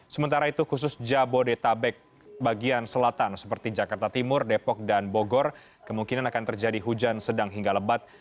sementara itu khusus jabodetabek bagian selatan seperti jakarta timur depok dan bogor kemungkinan akan terjadi hujan sedang hingga lebat